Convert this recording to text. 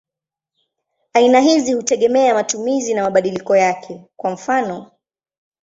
Aina hizi hutegemea matumizi na mabadiliko yake; kwa mfano.